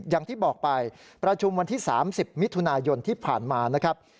อย่างที่บอกไปประชุมวันที่๓๐มิถุนายนที่ผ่านมานะครับ